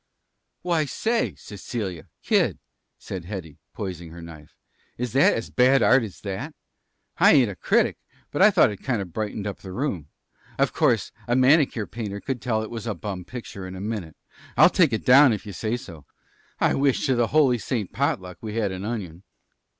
"Why, say, Cecilia, kid," said Hetty, poising her knife, "is it as bad art as that? I ain't a critic; but I thought it kind of brightened up the room. Of course, a manicure painter could tell it was a bum picture in a minute. I'll take it down if you say so. I wish to the holy Saint Potluck we had an onion."